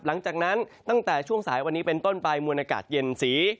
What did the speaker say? หลังจากนั้นตั้งแต่ช่วงสายวันนี้เป็นต้นไปมวลอากาศเย็นสี